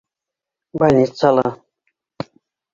Больницала...